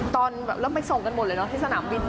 ตอนแบบเริ่มไปส่งกันหมดเลยเนอะที่สนามบิน